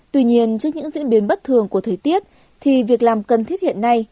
tuy nhiên trước những diễn biến bất thường của thời tiết thì việc làm cần thiết hiện nay